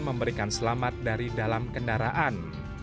dan memberikan selamat dari dalam kendaraan